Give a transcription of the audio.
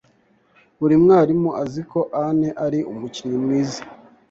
Buri mwarimu azi ko Ann ari umukinnyi mwiza.